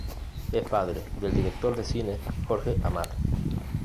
Es padre del director de cine Jorge Amat.